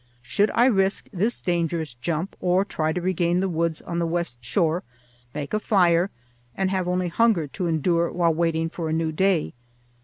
Should I risk this dangerous jump, or try to regain the woods on the west shore, make a fire, and have only hunger to endure while waiting for a new day?